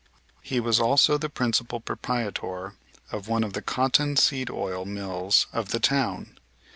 He was also the principal proprietor of one of the cotton seed oil mills of the town.